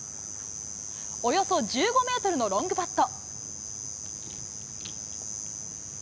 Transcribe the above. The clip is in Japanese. およそ１５メートルのロングパット。